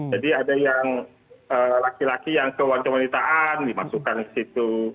jadi ada yang laki laki yang kewajiban wanitaan dimasukkan ke situ